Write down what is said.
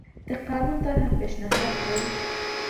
د قانون طرحه پېشنهاد کړي.